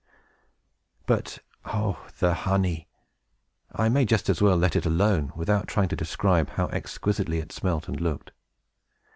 But, oh the honey! I may just as well let it alone, without trying to describe how exquisitely it smelt and looked.